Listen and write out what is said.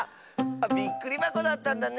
びっくりばこだったんだね。